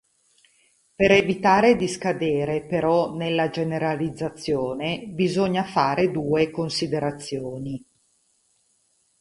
Per evitare di scadere però nella generalizzazione, bisogna fare due considerazioni.